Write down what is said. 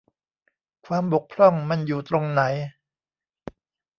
ความบกพร่องมันอยู่ตรงไหน ?